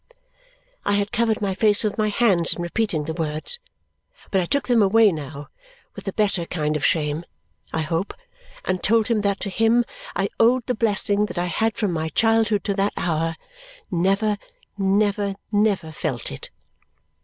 '" I had covered my face with my hands in repeating the words, but I took them away now with a better kind of shame, I hope, and told him that to him I owed the blessing that I had from my childhood to that hour never, never, never felt it.